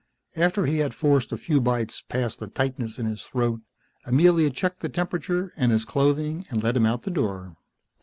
After he had forced a few bites past the tightness in his throat, Amelia checked the temperature and his clothing and let him out the door.